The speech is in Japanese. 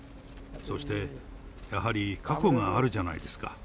そして、やはり過去があるじゃないですか。